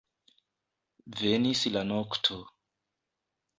Venis la nokto.